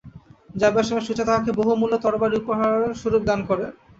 যাইবার সময় সুজা তাঁহাকে বহুমূল্য তরবারি উপহারস্বরূপ দান করেন।